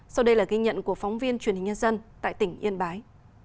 sau đây là ghi nhận của phóng viên truyền hình nhân dân tại tỉnh yên bái